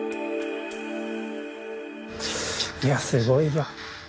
いや、すごいわ。